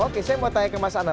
oke saya mau tanya ke mas anam